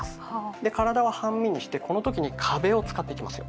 で体は半身にしてこの時に壁を使っていきますよ。